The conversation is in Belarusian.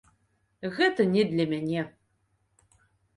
Гэта не для мяне.